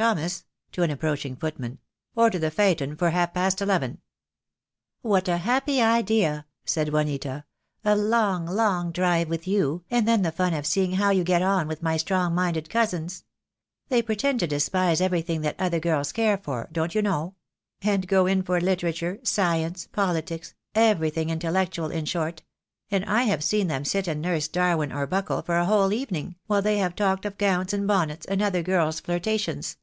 Thomas," to an approaching footman, "order the phaeton for half past eleven." "What a happy idea," said Juanita, "a long, long drive with you, and then the fun of seeing how you get on with my strong minded cousins. They pretend to despise everything that other girls care for, don't you know — and go in for literature, science, politics, every thing intellectual, in short — and I have seen them sit and nurse Darwin or Buckle for a whole evening, while they have talked of gowns and bonnets and other girls' flirta tions."